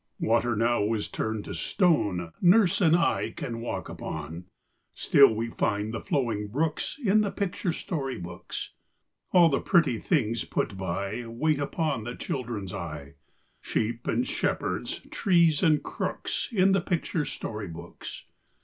Water now is turned to stone Nurse and I can walk upon; Still we find the flowing brooks In the picture story books. All the pretty things put by, Wait upon the children's eye, Sheep and shepherds, trees and crooks, In the picture story books.